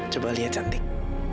coba lihat cantik